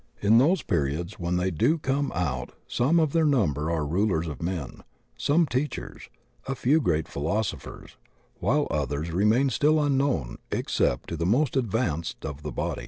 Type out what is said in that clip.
In those periods when they do come out some of their number are rulers of men, some teachers, a few great philosophers, while others re main still unknown except to the most advanced of the body.